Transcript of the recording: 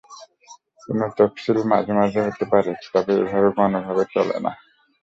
পুনঃ তফসিল মাঝে মাঝে হতে পারে, তবে এভাবে গণভাবে চলে না।